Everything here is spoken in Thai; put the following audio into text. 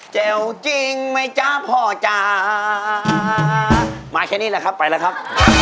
เจ้าจริงไม่จ้าพอจ้ามาแค่นี้แหละครับไปแล้วครับ